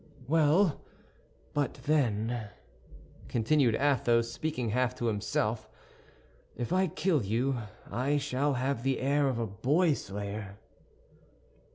"Well, but then," continued Athos, speaking half to himself, "if I kill you, I shall have the air of a boy slayer."